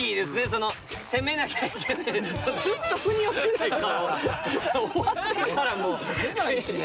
その攻めなきゃいけないずっとふに落ちない顔終わってからも出ないしね